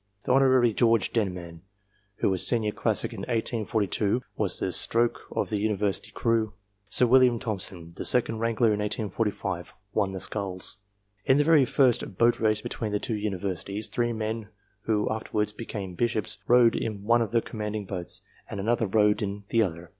The Hon. George Denman, who was senior classic in 1842, was the stroke of the Uni versity crew. Sir William Thompson, the second wrangler in 1845, won the sculls. In the very first boat race between the two Universities, three men who afterwards became bishops rowed in one of the contending boats, and another rowed in the other.